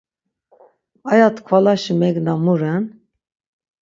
Aya tkvalaşi megna mu ren?